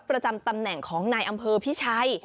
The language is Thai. ประจำตำแหน่งของนายอำเภอพิชัย